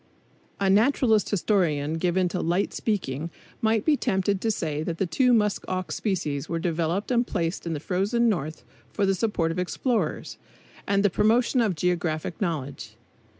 A naturalist historian given to light speaking might be tempted to say that the two musk ox species were developed and placed in the frozen North for the support of explorers, and the promotion of geographic knowledge.